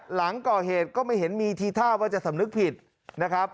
หลังก่อเหตุก็ไม่เห็นมีทีท่าว่าจะสำนึกผิดนะครับ